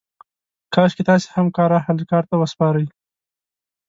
کاشکې تاسې هم کار اهل کار ته وسپارئ.